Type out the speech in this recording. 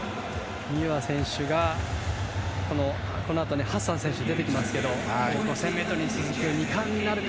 ミューア選手はこのあと、ハッサン選手が出てきますけど５０００ｍに続く２冠になるか。